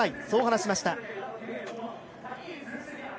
そう話しました。